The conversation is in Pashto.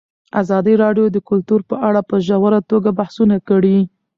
ازادي راډیو د کلتور په اړه په ژوره توګه بحثونه کړي.